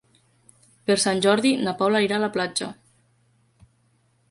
Per Sant Jordi na Paula irà a la platja.